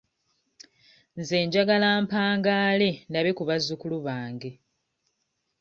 Nze njagala mpangaale ndabe ku bazukulu bange.